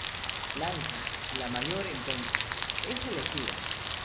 Blanca, la mayor entonces, es la elegida.